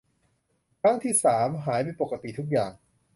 ครั้งที่สามหายเป็นปกติทุกอย่าง